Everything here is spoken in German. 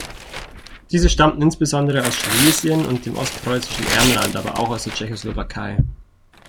Diese stammten insbesondere aus Schlesien und dem ostpreußischen Ermland, aber auch aus der Tschechoslowakei.